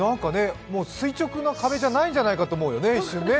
垂直な壁じゃないんじゃないかと思うよね、一瞬ね。